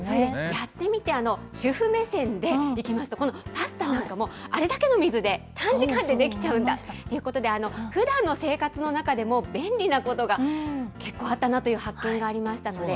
やってみて、主婦目線でいきますと、このパスタなんかもあれだけの水で短時間でできちゃうんだということで、ふだんの生活の中でも、便利なことが結構あったなという発見がありましたので。